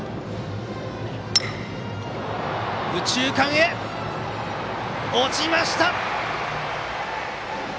右中間へ落ちました！